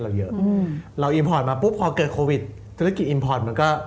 เราอิมพอร์ตมาปุ๊บพอเกิด